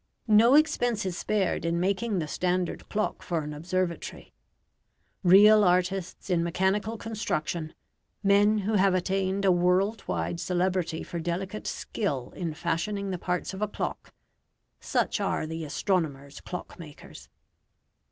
No expense is spared in making the standard clock for an observatory. Real artists in mechanical construction men who have attained a world wide celebrity for delicate skill in fashioning the parts of a clock such are the astronomer's clock makers.